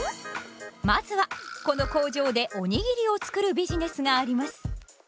まずはこの工場でおにぎりを作るビジネスがあります。